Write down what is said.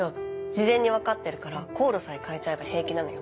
事前に分かってるから航路さえ変えちゃえば平気なのよ。